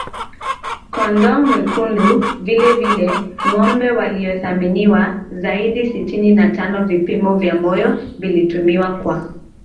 kondoo mwekundu vilevile ngombe waliothaminiwa zaidi Sitini na tano Vipimo vya moyo vilitumiwa kwa